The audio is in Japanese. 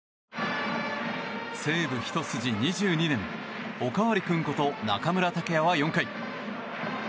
西武ひとすじ２２年おかわり君こと中村剛也は４回。